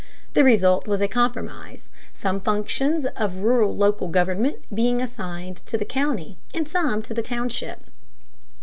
The result was a compromise, some functions of rural local government being assigned to the county and some to the township.